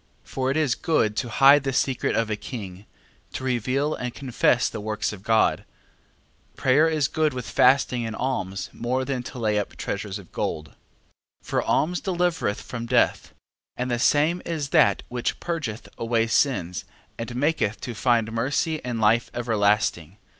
12:7. For it is good to hide the secret of a king: to reveal and confess the works of God. 12:8. Prayer is good with fasting and alms more than to lay up treasures of gold. 12:9. For alms delivereth from death, and the same is that which purgeth away sins, and maketh to find mercy and life everlasting.